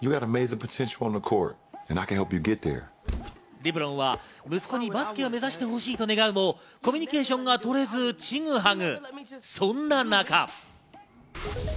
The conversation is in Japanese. レブロンは息子にバスケ選手を目指してほしいと願うもコミュニケーションが取れず、チグハグ。